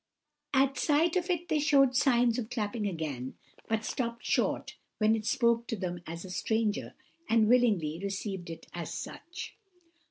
At sight of it they showed signs of clapping again, but stopped short when it spoke to them as a stranger, and willingly received it as such.